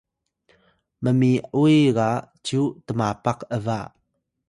mmi’uy ga cyu tmapak ’ba